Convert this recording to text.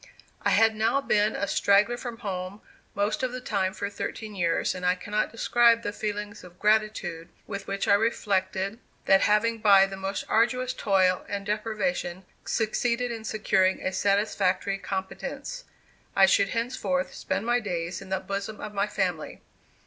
I had now been a straggler from home most of the time for thirteen years, and I cannot describe the feelings of gratitude with which I reflected, that having by the most arduous toil and deprivations succeeded in securing a satisfactory competence, I should henceforth spend my days in the bosom of my family.